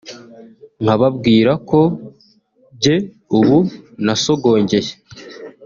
nkababwira ko njye ubu nasogongeye